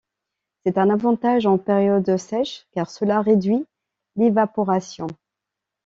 C'est un avantage en période sèche car cela réduit l'évaporation.